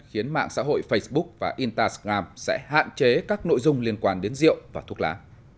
và xã hội facebook và instagram sẽ hạn chế các nội dung liên quan đến rượu và thuốc lá